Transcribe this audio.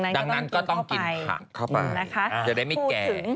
ดังนั้นก็ต้องกินผักเข้ามานะคะจะได้ไม่แก่